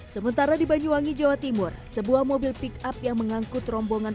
sementara di banyuwangi jawa timur sebuah mobil pick up yang mengangkut rombongan